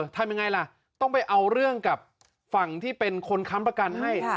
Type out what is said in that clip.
ทำยังไงล่ะต้องไปเอาเรื่องกับฝั่งที่เป็นคนค้ำประกันให้